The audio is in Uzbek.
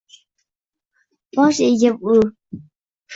Bosh egib u